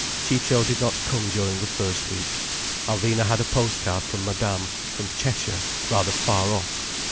Ciccio did not come during the first week. Alvina had a post card from Madame, from Cheshire: rather far off.